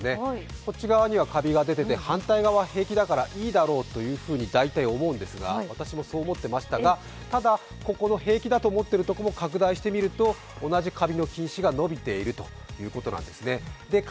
こちら側にはカビが出ていて、反対側は平気だから大丈夫だろうと大体、思うんですが私もそう思ってましたがただ、ここの平気だと思っているところも拡大してみると、同じカビの菌糸が伸びていると。